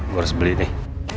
gue harus beli nih